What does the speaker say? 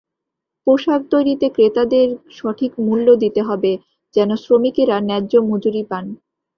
পোশাক তৈরিতে ক্রেতাদের সঠিক মূল্য দিতে হবে, যেন শ্রমিকেরা ন্যায্য মজুরি পান।